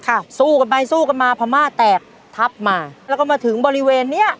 สู้กันไปสู้กันมาพม่าแตกทับมาแล้วก็มาถึงบริเวณเนี้ย